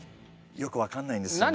よく分かんないんですよね。